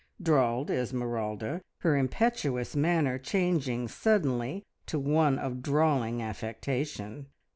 drawled Esmeralda, her impetuous manner changing suddenly to one of drawling affectation.